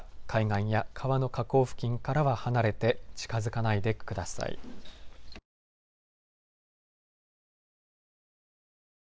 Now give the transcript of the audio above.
海岸や川の河口付近からは離れて近づかないでください。